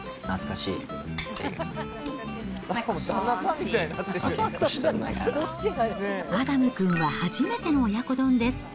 うん、アダム君は初めての親子丼です。